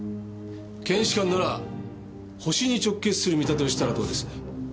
検視官ならホシに直結する見立てをしたらどうです？